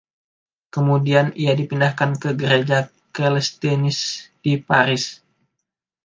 Kemudian, ia dipindahkan ke gereja Celestines di Paris.